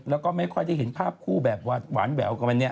แล้วก็ไม่ค่อยได้เห็นภาพคู่แบบหวานแหววกันวันนี้